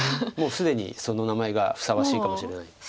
もう既にその名前がふさわしいかもしれない。